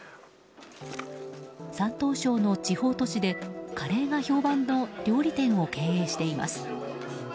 山東省の地方都市でカレーが評判の料理店を経営しています。